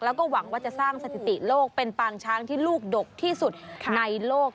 แล้วก็หวังว่าจะสร้างสถิติโลกเป็นปางช้างที่ลูกดกที่สุดในโลก